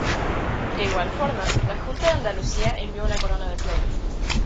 De igual forma, la Junta de Andalucía envió una corona de flores.